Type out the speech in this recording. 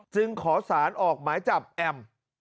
จึงขอสารออกหมายจับแอม